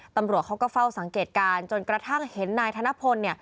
ตำรวจเขาก็เฝ้าสังเกตการณ์จนกระทั่งเห็นนายธนพล